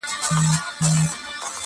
برابره یې قسمت کړه پر ده لاره؛